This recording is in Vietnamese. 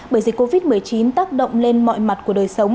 bởi dịch covid một mươi chín